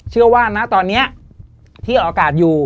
เชื่อว่านะตอนนี้ที่ออกอากาศอยู่